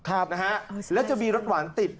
อ่านลองดูหน้านี้